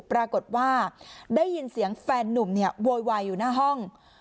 ปรากฏว่าได้ยินเสียงแฟนนุ่มเนี่ยโวยวายอยู่หน้าห้อง